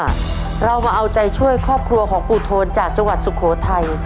เรามาเอาใจช่วยครอบครัวของปู่โทนจากจังหวัดสุโขทัย